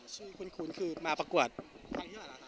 ชื่อคุณคุณคือมาประกวดทางที่ไหนล่ะค่ะ